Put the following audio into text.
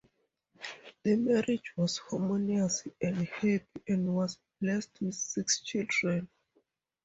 The marriage was harmonious and happy, and was blessed with six children.